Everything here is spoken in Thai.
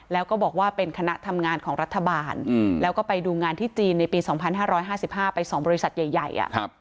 แล้วก็บอกว่าเป็นคณะทำงานของรัฐบาลแล้วก็ไปดูงานที่จีนในปี๒๕๕๕ไป๒บริษัทใหญ่